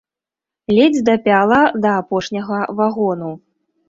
Ледзь дапяла да апошняга вагону.